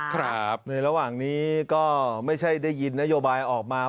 ครับในระหว่างนี้ก็ไม่ใช่ได้ยินนโยบายออกมา